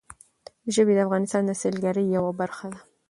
ژبې د افغانستان د سیلګرۍ یوه برخه ده.